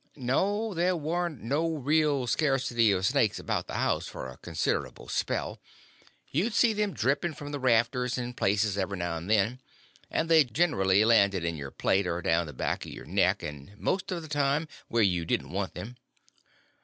No, there warn't no real scarcity of snakes about the house for a considerable spell. You'd see them dripping from the rafters and places every now and then; and they generly landed in your plate, or down the back of your neck, and most of the time where you didn't want them.